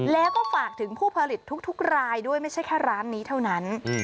แล้วก็ฝากถึงผู้ผลิตทุกรายด้วยไม่ใช่แค่ร้านนี้เท่านั้น